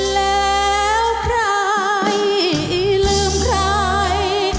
แล้วใครลืมใคร